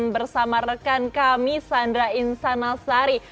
bersama rekan kami sandra insanasari